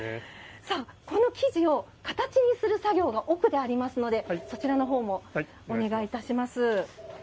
この生地を形にする作業が奥でありますのでそちらもお願いいたします。